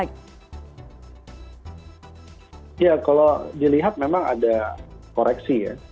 ya kalau dilihat memang ada koreksi ya